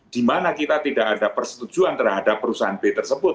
di mana kita tidak ada persetujuan terhadap perusahaan b tersebut